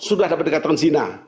sudah dapat dekat dengan zina